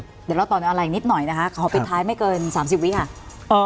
เดี๋ยวเราตอนนี้อะไรนิดหน่อยนะคะขอปิดท้ายไม่เกิน๓๐วิค่ะ